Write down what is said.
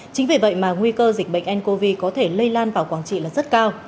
chính vì vậy mà nguy cơ dịch bệnh ncov có thể lây lan vào quảng trị là rất cao